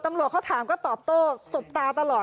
ตำรวจเขาถามก็ตอบโต